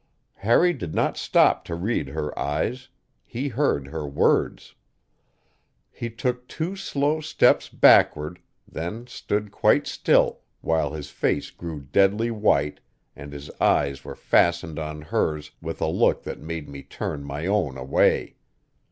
Harry did not stop to read her eyes he heard her words. He took two slow steps backward, then stood quite still, while his face grew deadly white and his eyes were fastened on hers with a look that made me turn my own away.